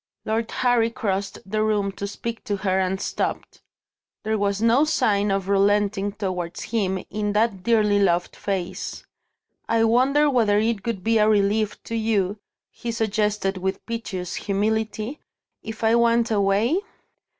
Lord Harry crossed the room to speak to her and stopped. There was no sign of relenting towards him in that dearly loved face. "I wonder whether it would be a relief to you," he suggested with piteous humility, "if I went away?"